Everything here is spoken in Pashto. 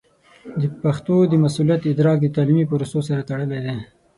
د پښتو د مسوولیت ادراک د تعلیمي پروسو سره تړلی دی.